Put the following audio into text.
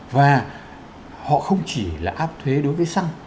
và họ không chỉ là áp thuế đối với xăng